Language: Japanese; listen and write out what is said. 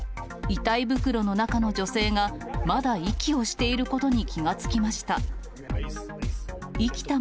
遺体袋の中の女性が、まだ息をしていることに気が付きました。